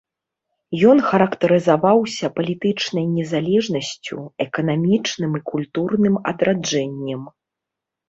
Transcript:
Ён характарызаваўся палітычнай незалежнасцю, эканамічным і культурным адраджэннем.